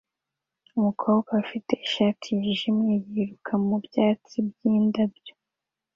Umukobwa ufite ishati yijimye yiruka mu byatsi byindabyo